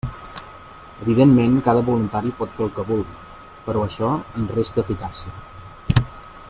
Evidentment cada voluntari pot fer el que vulgui, però això ens resta eficàcia.